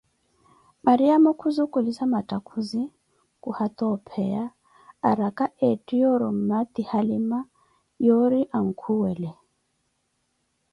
Mariamo khu zukhulissa mathakhuzi khu yata opeya arakah ettiye orrumiwa ti halima yori ankhuwele